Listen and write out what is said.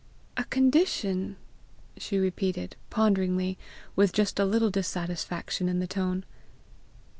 A condition!" she repeated, ponderingly, with just a little dissatisfaction in the tone.